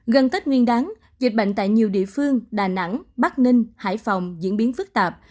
gần tết nguyên đáng dịch bệnh tại nhiều địa phương đà nẵng bắc ninh hải phòng diễn biến phức tạp